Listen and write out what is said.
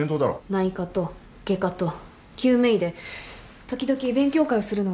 内科と外科と救命医で時々勉強会をするのはどうでしょう。